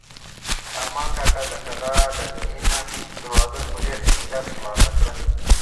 ارمان کاکا د کلا لرګینه دروازه په ډېر احتیاط خلاصه کړه.